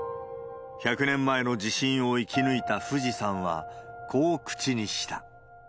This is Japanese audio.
１００年前の地震を生き抜いたフジさんは、こう口にした。